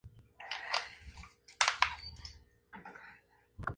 Las flores son generalmente bisexuales, diminutas con tres estambres y tres estigmas.